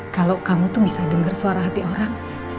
kalau kamu tuh bisa dengar suara hati orang